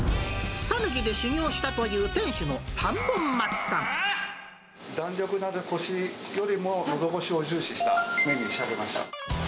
讃岐で修業したという店主の弾力のあるこしよりも、のどごしを重視した麺に仕上げました。